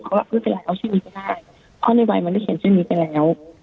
เขาบอกว่าเอาชื่อนี้ก็ได้เพราะในวัยมันได้เขียนชื่อนี้ก็แล้ว